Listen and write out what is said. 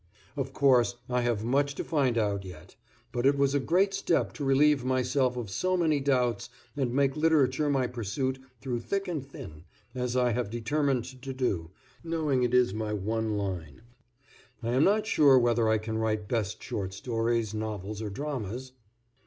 Of course, I have much to find out yet, but it was a great step to relieve myself of so many doubts and make literature my pursuit through thick and thin, as I have determined to do, knowing it is my one line. I am not sure whether I can write best short stories, novels or dramas.